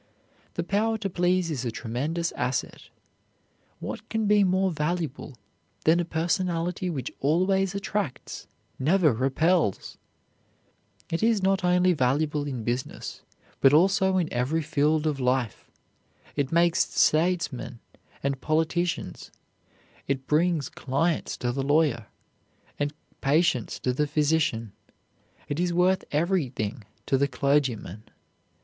The power to please is a tremendous asset. What can be more valuable than a personality which always attracts, never repels? It is not only valuable in business, but also in every field of life. It makes statesmen and politicians, it brings clients to the lawyer, and patients to the physician. It is worth everything to the clergyman.